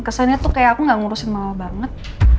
kesannya tuh kayak aku gak ngurusin mama banget